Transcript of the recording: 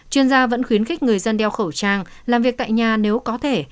chuyên gia vẫn khuyến khích người dân đeo khẩu trang làm việc tại nhà nếu có thể